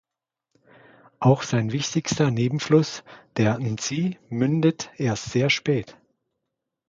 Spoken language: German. Auch sein wichtigster Nebenfluss, der N’Zi, mündet erst sehr spät.